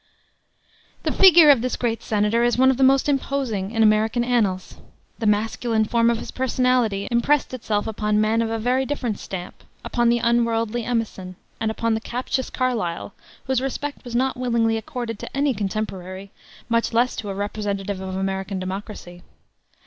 The figure of this great senator is one of the most imposing in American annals. The masculine force of his personality impressed itself upon men of a very different stamp upon the unworldly Emerson, and upon the captious Carlyle, whose respect was not willingly accorded to any contemporary, much less to a representative of American democracy.